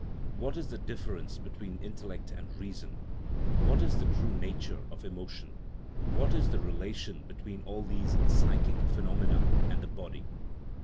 What is the difference between "intel lect " and " reason n ? What is the true nature of " emo tion "? What is the relation between all these " psychic phenomena " and the " body